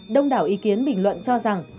đông đảo ý kiến bình luận cho rằng